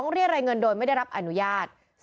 เรียกรายเงินโดยไม่ได้รับอนุญาต